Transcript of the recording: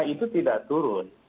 itu tidak turun